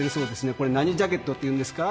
これ何ジャケットって言うんですか？